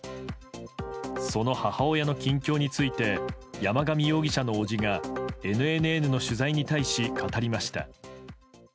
その母親の近況について山上容疑者の伯父がＮＮＮの取材に対し語りました。